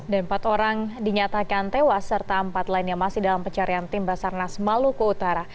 dan empat orang dinyatakan tewas serta empat lainnya masih dalam pencarian tim basarnas maluku utara